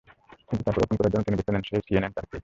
কিন্তু এরপরও ফোন করার জন্য তিনি বেছে নেন সেই সিএনএন টার্ককেই।